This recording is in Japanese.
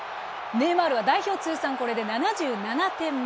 ネイマールは代表通算、これで７７点目。